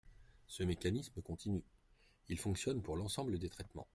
Ce mécanisme continue, il fonctionne pour l’ensemble des traitements.